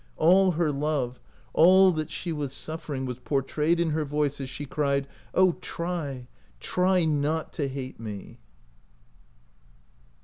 All her love, all that she was suffering, was portrayed in her voice as she cried :" Oh, try, try not to hate me!"